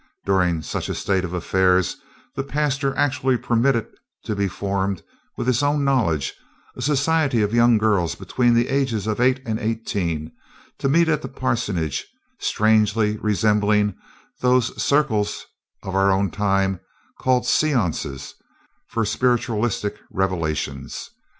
During such a state of affairs the pastor actually permitted to be formed, with his own knowledge, a society of young girls between the ages of eight and eighteen to meet at the parsonage, strangely resembling those "circles" of our own time called séances, for spiritualistic revelations.